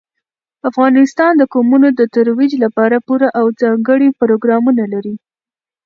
افغانستان د قومونه د ترویج لپاره پوره او ځانګړي پروګرامونه لري.